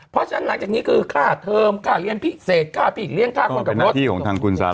เพราะฉะนั้นหลังจากนี้คือค่าเทิมค่าเรียนพิเศษค่าพี่เลี้ยงค่าคนขับรถ